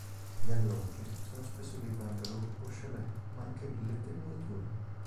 Gli alloggi sono spesso dei bungalow o chalet; ma anche villette in muratura.